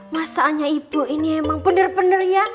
masaannya ibu ini emang benar benar ya